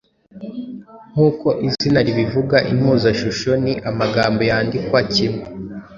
Nk’uko izina ribivuga impuzashusho ni amagambo yandikwa kimwe